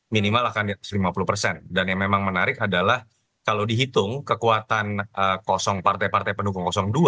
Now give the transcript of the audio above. minimal akan di atas lima puluh persen dan yang memang menarik adalah kalau dihitung kekuatan kosong partai partai pendukung dua